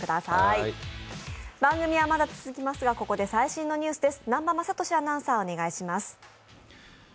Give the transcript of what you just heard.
番組はまだ続きますが、ここで最新のニュースです。